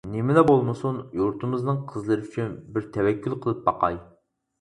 نېمىلا بولمىسۇن، يۇرتىمىزنىڭ قىزلىرى ئۈچۈن، بىر تەۋەككۈل قىلىپ باقاي.